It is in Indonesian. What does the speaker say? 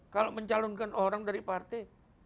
kalau mencalonkan orang dari partai